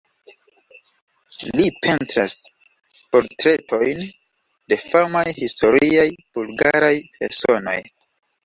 Li pentras portretojn de famaj historiaj bulgaraj personoj.